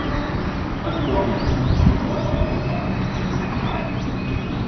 不過人生中來來往往本是常態